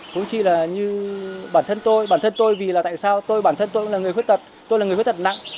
cũng chỉ là như bản thân tôi bản thân tôi vì là tại sao tôi bản thân tôi cũng là người khuyết tật tôi là người khuyết tật nặng